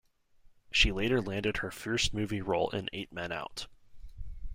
She later landed her first movie role in "Eight Men Out".